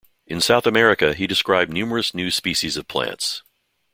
In South America he described numerous new species of plants.